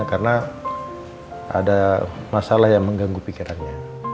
karena ada masalah yang mengganggu pikirannya